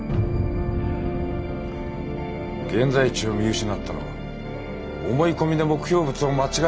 現在地を見失ったのは思い込みで目標物を間違えたからだ。